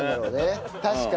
確かに。